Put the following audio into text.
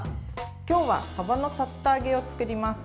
今日はさばの竜田揚げを作ります。